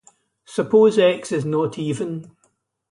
Suppose "x" is not even.